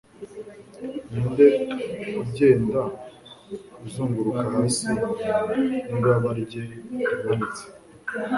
ninde ugenda uzunguruka hasi n'ibaba rye rimanitse